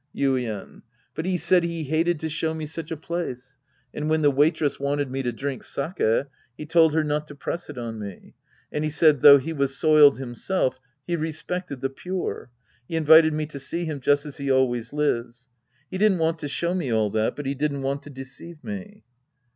Yuien. But he said he hated to show me such a place. And when the waitress wanted me to drink sake, he told her not to press it on me. And he said, though he was soiled himself, he respected the pure. He invited me to see him just as he always lives. He didn't want to show me all that, but he didn't want to deceive me.